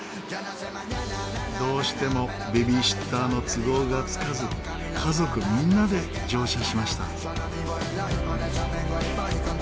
どうしてもベビーシッターの都合がつかず家族みんなで乗車しました。